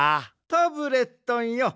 タブレットンよ。